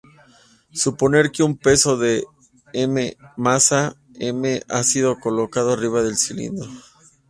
Suponer que un peso de "m"asa m ha sido colocado arriba del cilindro.